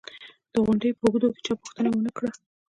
د غونډې په اوږدو کې چا پوښتنه و نه کړه